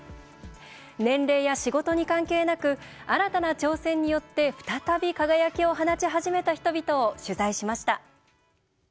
年齢や仕事に関係なく新たな挑戦によって再び輝きを放ち始めた人々を取材しました。